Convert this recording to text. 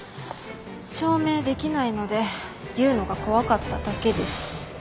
証明できないので言うのが怖かっただけです。